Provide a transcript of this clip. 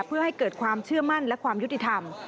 เพื่อให้เกิดความเชื่อมั่นและความยุติธรรม